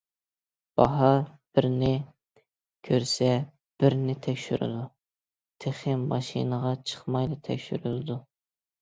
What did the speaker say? باھا: بىرنى كۆرسە بىرنى تەكشۈرىدۇ، تېخى ماشىنىغا چىقمايلا تەكشۈرۈلىدۇ.